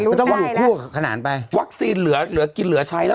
รู้ได้แล้วต้องอยู่คู่ขนาดไปวัคซีนเหลือเหลือกินเหลือใช้แล้ว